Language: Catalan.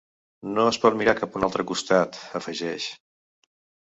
No es pot mirar cap a un altre costat, afegeix.